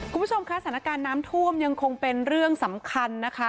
คุณผู้ชมคะสถานการณ์น้ำท่วมยังคงเป็นเรื่องสำคัญนะคะ